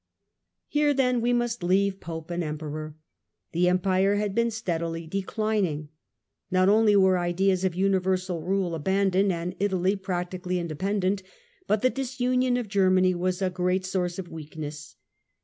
Here then we must leave Pope and Emperor. The Condition Empire had been steadily declining. Not only werepUe ideas of universal rule abandoned and Italy practi cally independent, but the disunion of Germany was a great source of weakness.